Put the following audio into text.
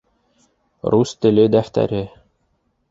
Рус теле дәфтәре...